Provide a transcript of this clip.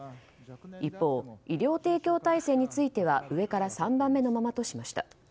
一方、医療提供体制については上から３番目のままとしました。